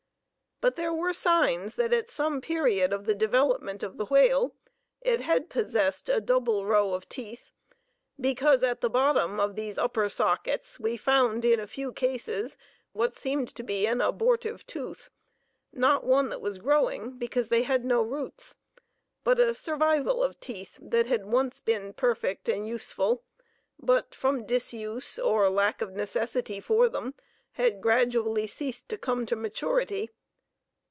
But there were signs that at some period of the development of the whale it had possessed a double row of teeth, because at the bottom of these upper sockets we found in a few cases what seemed to be an abortive tooth, not one that was growing, because they had no roots, but a survival of teeth that had once been perfect and useful, but from disuse, or lack of necessity for them, had gradually ceased to come to maturity.